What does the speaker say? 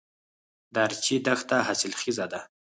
د ارچي دښته حاصلخیزه ده